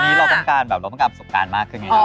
วันนี้เราต้องการแบบเราต้องการประสบการณ์มากขึ้นไงเนาะ